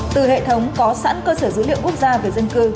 từ hệ thống có sẵn cơ sở dữ liệu quốc gia về dân cư